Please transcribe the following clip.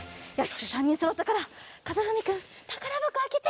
じゃあ３にんそろったからかずふみくんたからばこあけて。